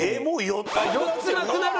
４つなくなるんだ！